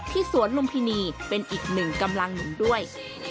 สวนลุมพินีเป็นอีกหนึ่งกำลังหนุนด้วย